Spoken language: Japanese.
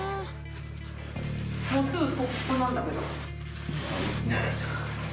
もうすぐここなんだけど。